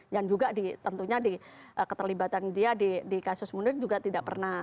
dan juga tentunya di keterlibatan dia di kasus munir juga tidak pernah